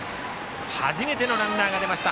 初めてのランナーが出ました。